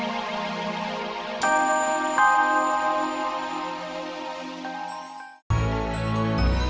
sampai jumpa lagi